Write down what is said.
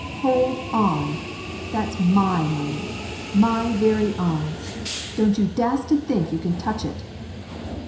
"Hold on that's my money my very own. Don't you dast to think you can touch it!"